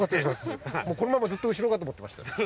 もうこのままずっと後ろかと思ってました。